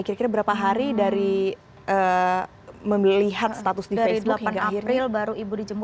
kira kira berapa hari dari melihat status di facebook hingga akhirnya